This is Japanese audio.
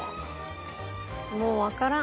もうわからん。